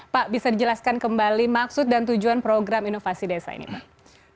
pak bisa dijelaskan kembali maksud dan tujuan program inovasi desa ini pak